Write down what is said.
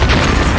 baiklah ya hanu